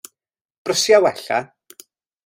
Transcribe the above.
Brysia wella.